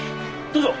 どうぞ！